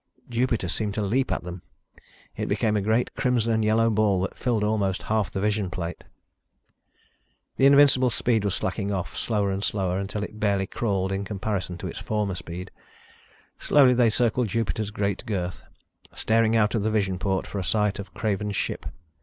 Jupiter seemed to leap at them. It became a great crimson and yellow ball that filled almost half the vision plate. The Invincible's speed was slacking off, slower and slower, until it barely crawled in comparison to its former speed. Slowly they circled Jupiter's great girth, staring out of the vision port for a sight of Craven's ship.